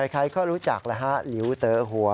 ใครก็รู้จักแล้วฮะหลิวเต๋อหัว